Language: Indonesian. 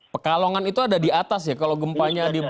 pekalongan itu ada di atas ya kalau gempanya